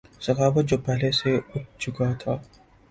سخاوت جو پہلے سے اٹھ چکا تھا